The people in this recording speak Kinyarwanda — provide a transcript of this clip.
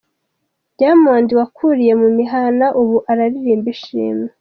Diamond wakuriye mu mihana ubu araririmba ishimwe